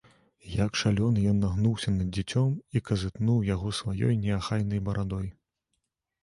Як шалёны, ён нагнуўся над дзіцём і казытнуў яго сваёй неахайнай барадой.